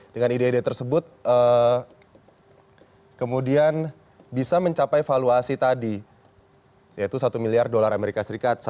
dengan ide ide tersebut kemudian bisa mencapai valuasi tadi yaitu satu miliar usd